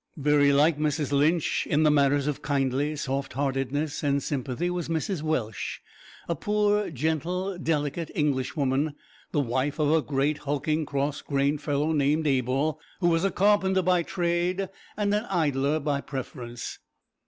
Very like Mrs Lynch in the matters of kindly soft heartedness and sympathy was Mrs Welsh a poor, gentle, delicate Englishwoman, the wife of a great hulking cross grained fellow named Abel, who was a carpenter by trade and an idler by preference.